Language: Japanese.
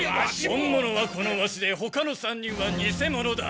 本物はこのワシでほかの３人はにせ者だ。